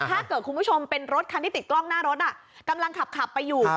ถ้าเกิดคุณผู้ชมเป็นรถคันที่ติดกล้องหน้ารถกำลังขับไปอยู่